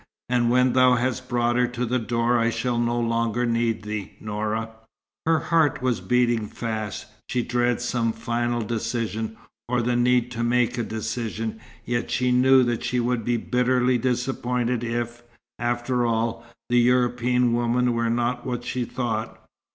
"And when thou hast brought her to the door I shall no longer need thee, Noura." Her heart was beating fast. She dreaded some final decision, or the need to make a decision, yet she knew that she would be bitterly disappointed if, after all, the European woman were not what she thought.